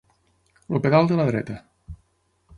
El pedal de la dreta.